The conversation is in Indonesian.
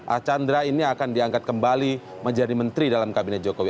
archandra ini akan diangkat kembali menjadi menteri dalam kabinet jokowi